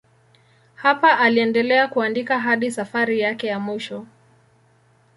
Hapa aliendelea kuandika hadi safari yake ya mwisho.